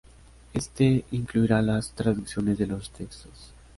Este incluirá las traducciones de los textos.